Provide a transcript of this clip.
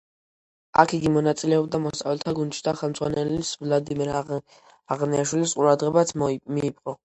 აქ იგი მონაწილეობდა მოსწავლეთა გუნდში და ხელმძღვანელის ვლადიმერ აღნიაშვილის ყურადღებაც მიიპყრო.